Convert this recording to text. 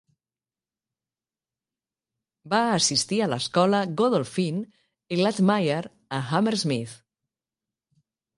Va assistir a l'Escola Godolphin i Latymer a Hammersmith.